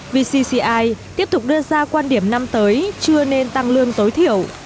vcci tiếp tục đưa ra quan điểm năm tới chưa nên tăng lương tối thiểu